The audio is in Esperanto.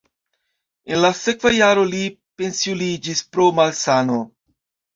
En la sekva jaro li pensiuliĝis pro malsano.